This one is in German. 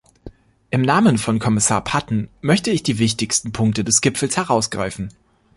Im Namen von Kommissar Patten möchte ich die wichtigsten Punkte des Gipfels herausgreifen.